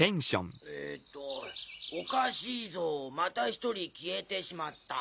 えと「おかしいぞまた一人消えてしまった」。